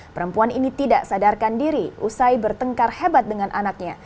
perempuan ini tidak sadarkan diri usai bertengkar hebat dengan anaknya